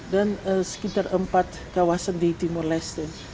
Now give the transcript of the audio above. dan sekitar empat kawasan di timor leste